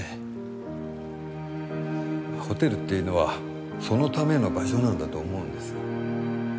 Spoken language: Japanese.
ホテルっていうのはそのための場所なんだと思うんです。